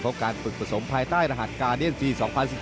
เพราะการฝึกผสมภายใต้รหัสกาเดียนปี๒๐๑๙